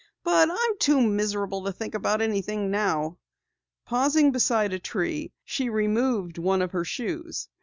I'm too miserable to think about anything now." Pausing beside a tree, she removed one of her shoes.